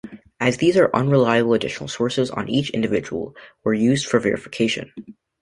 As these are unreliable additional searches on each individual were used for verification.